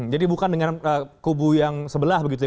jadi bukan dengan kubu yang sebelah begitu ya